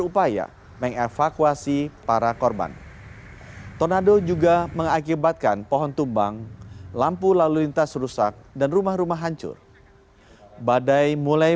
pemacat di tanah tersebut kemudian dicabut dan menutup benda diduga mortir tersebut menggunakan ban bekas